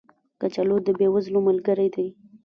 کچالو د بې وزلو ملګری دی